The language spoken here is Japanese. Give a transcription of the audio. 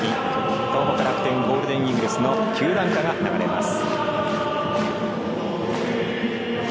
東北楽天ゴールデンイーグルスの球団歌が流れます。